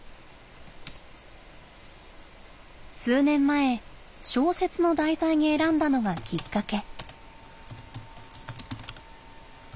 数年前小説の題材に選んだのがきっかけ。